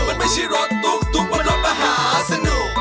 มันไม่ใช่รถตุ๊กตุ๊กมันรถประหาสนุก